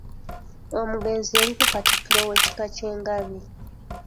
Omugenzi yaliko Katikkiro w’ekika ky’e Ngabi.